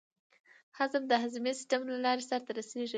هضم د هضمي سیستم له لارې سر ته رسېږي.